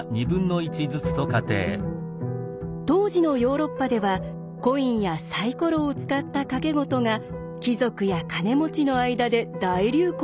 当時のヨーロッパではコインやサイコロを使った賭け事が貴族や金持ちの間で大流行していました。